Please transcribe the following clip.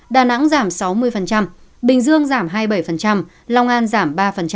đà nẵng giảm sáu mươi bình dương giảm hai mươi bảy long an giảm ba